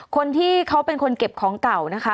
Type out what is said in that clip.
คนที่เขาเป็นคนเก็บของเก่านะคะ